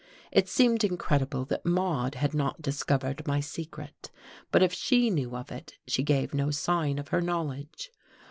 It seemed incredible that Maude had not discovered my secret, but if she knew of it, she gave no sign of her knowledge.